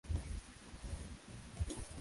ya kumi na moja walionekana kama utaifa